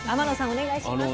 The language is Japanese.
お願いします。